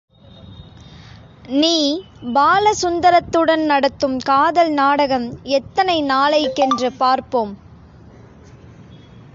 நீ பாலசுந்தரத்துடன் நடத்தும் காதல் நாடகம் எத்தனை நாளைக்கென்று பார்ப்போம்.